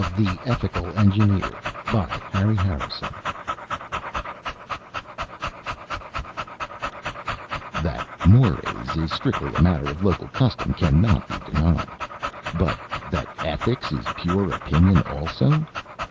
THE ETHICAL ENGINEER That mores is strictly a matter of local custom cannot be denied. But that ethics is pure opinion also...?